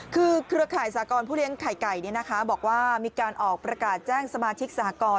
คือเครือข่ายสากรผู้เลี้ยงไข่ไก่บอกว่ามีการออกประกาศแจ้งสมาชิกสหกร